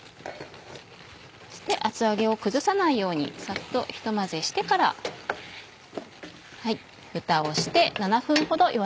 そして厚揚げを崩さないようにさっとひと混ぜしてからふたをして。